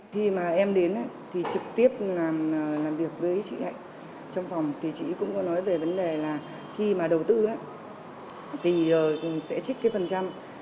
khi mà em đến thì trực tiếp làm việc với chị hạnh trong phòng thì chị cũng có nói về vấn đề là khi mà đầu tư ấy thì sẽ trích cái phần trăm